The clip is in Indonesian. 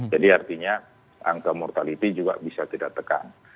jadi artinya angka mortality juga bisa tidak tekan